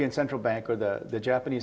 atau bank central jepang